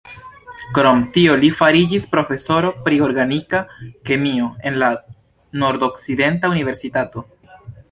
Krom tio li fariĝis profesoro pri organika kemio en la Nordokcidenta Universitato.